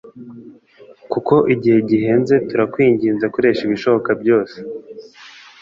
kuko igihe gihenze turakwinginze koresha ibishoboka byose